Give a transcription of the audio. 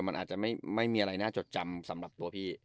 มันอาจจะไม่มีอะไรน่าจดจำสำหรับตัวพี่